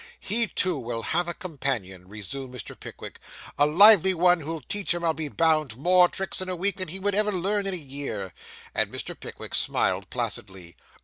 'He, too, will have a companion,' resumed Mr. Pickwick, 'a lively one, who'll teach him, I'll be bound, more tricks in a week than he would ever learn in a year.' And Mr. Pickwick smiled placidly.